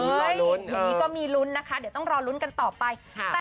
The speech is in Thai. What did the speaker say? อย่างนี้ก็มีลุ้นนะคะเดี๋ยวต้องรอลุ้นกันต่อไป